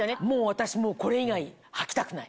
私もうこれ以外はきたくない。